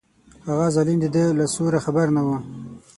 هغه ظالم د ده له سوره خبر نه و.